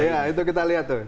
iya itu kita lihat tuh